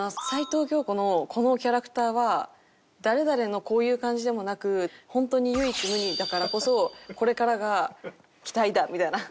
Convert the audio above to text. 「齊藤京子のこのキャラクターは誰々のこういう感じでもなく本当に唯一無二だからこそこれからが期待だ」みたいな。